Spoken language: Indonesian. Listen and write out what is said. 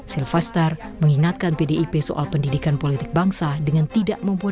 silvastar mengingatkan pdip soal pendidikan politik bangsa dengan tidak mampu